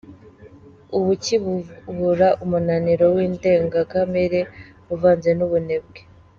Ubuki buvura umunaniro windengakamere uvanze n’ubunebwe.